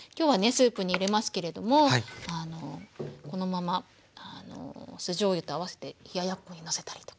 スープに入れますけれどもこのまま酢じょうゆと合わせて冷ややっこにのせたりとか。